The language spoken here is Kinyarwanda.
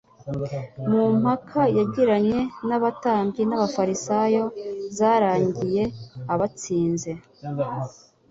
Mu mpaka yagiranye n'abatambyi n'abafarisayo zarangiye abatsinze;